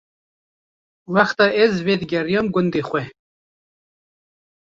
Wexta ez vedigeriyam gundê xwe